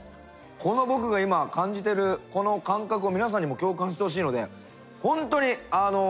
この僕が今感じてるこの感覚を皆さんにも共感してほしいのでほんとにあの。